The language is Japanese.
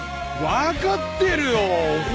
わかってるよ！